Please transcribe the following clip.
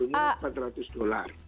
tunggu empat ratus dolar